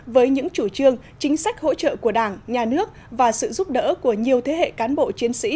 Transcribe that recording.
với những chủ trương chính sách hỗ trợ của đảng nhà nước và sự giúp đỡ của nhiều thế hệ cán bộ chiến sĩ